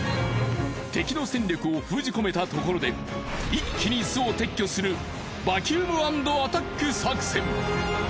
敵の戦力を封じ込めたところで一気に巣を撤去するバキューム＆アタック作戦！